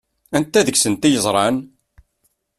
Anta deg-sent i yeẓṛan?